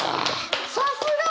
さすが！